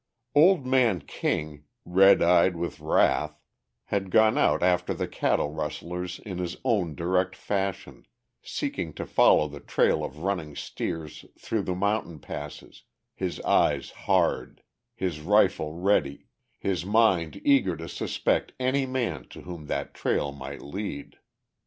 Old man King, red eyed with wrath, had gone out after the cattle rustlers in his own direct fashion, seeking to follow the trail of running steers through the mountain passes, his eye hard, his rifle ready, his mind eager to suspect any man to whom that trail might lead.